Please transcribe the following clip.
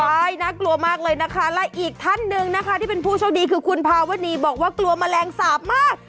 ใช่น่ากลัวมากเลยนะคะและอีกท่านหนึ่งนะคะที่เป็นผู้โชคดีคือคุณภาวณีบอกว่ากลัวแมลงสาปมาก